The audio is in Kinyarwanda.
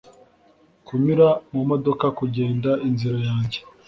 kunyura mumodoka, kugenda inzira yanjye